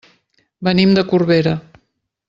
Venim de Corbera.